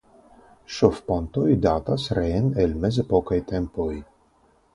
Ŝovpontoj datas reen el mezepokaj tempoj.